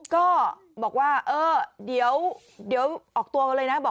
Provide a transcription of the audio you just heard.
ก็บอกว่าเดี๋ยวออกตัวเลยนะ